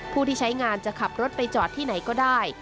ผู้ที่ใช้งานจะขับรถไปจอดที่ไหนก็ได้